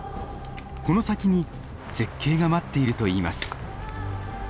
この先に絶景が待っているといいます。